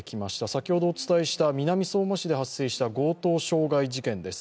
先ほどお伝えした南相馬市で発生した強盗傷害事件です。